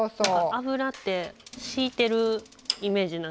油ってひいてるイメージなんですけど。